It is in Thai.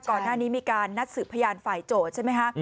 ก่อนหน้านี้มีการนัดสืบพยานฝ่ายโจทย์ใช่ไหมคะ